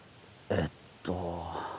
えっと。